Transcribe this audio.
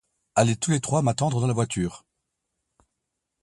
Allez tous les trois m'attendre dans la voiture.